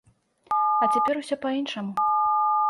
А цяпер усё па-іншаму.